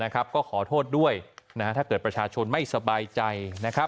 ก็ขอโทษด้วยถ้าเกิดประชาชนไม่สบายใจ